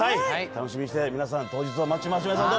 楽しみにして、皆さん、当日を待ちましょう。